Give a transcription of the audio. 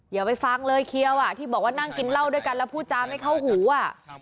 อย่าไปฟังเลยเคี้ยวอ่ะที่บอกว่านั่งกินเหล้าด้วยกันแล้วพูดจาไม่เข้าหูอ่ะ